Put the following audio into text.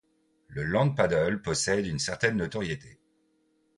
Le land paddle possède une certaine notoriété.